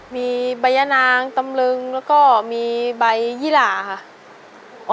มีใบยะนางตำลึงแล้วก็มีใบยี่หล่าค่ะ